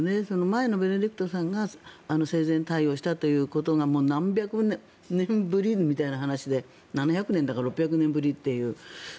前のベネディクトさんが生前退位をしたということが何百年ぶりみたいな話で７００年だか６００年ぶりという。